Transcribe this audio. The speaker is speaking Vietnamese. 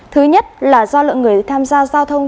thứ nhất là do lượng người tham gia giao thông